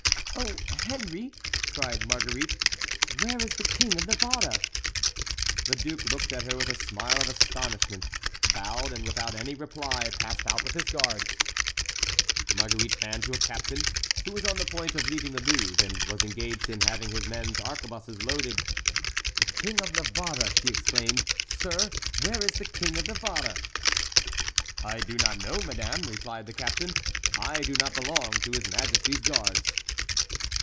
"Oh, Henry!" cried Marguerite, "where is the King of Navarre?" The duke looked at her with a smile of astonishment, bowed, and without any reply passed out with his guards. Marguerite ran to a captain who was on the point of leaving the Louvre and was engaged in having his men's arquebuses loaded. "The King of Navarre!" she exclaimed; "sir, where is the King of Navarre?" "I do not know, madame," replied the captain, "I do not belong to his majesty's guards."